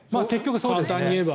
簡単に言えば。